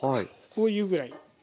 こういうぐらい。